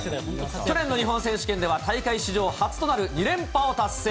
去年の日本選手権では大会史上初となる２連覇を達成。